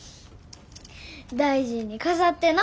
大事に飾ってな。